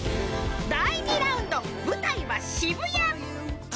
第２ラウンド舞台は渋谷。